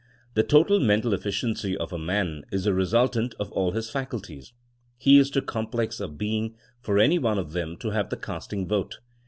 ... The total mental eflSciency of a man is the resultant of all his faculties. He is too complex a being for any one of them to have the casting vote.